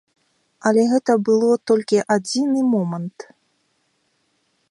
Але гэта было толькі адзіны момант.